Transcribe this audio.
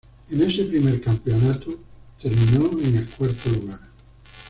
En ese primer Campeonato terminó en el Cuarto lugar.